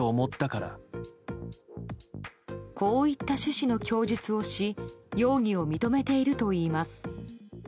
こういった趣旨の供述をし容疑を認めているといいます。